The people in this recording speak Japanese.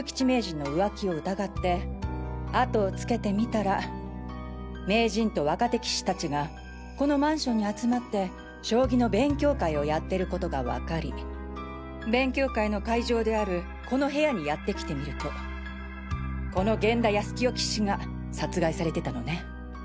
名人の浮気を疑ってあとをつけてみたら名人と若手棋士達がこのマンションに集まって将棋の勉強会をやってるコトがわかり勉強会の会場であるこの部屋にやって来てみるとこの源田安清棋士が殺害されてたのね。